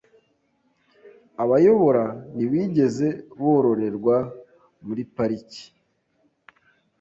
Abayobora ntibigeze bororerwa muri pariki.